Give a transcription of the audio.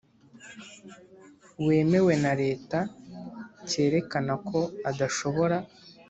wemewe na Leta cyerekana ko adashobora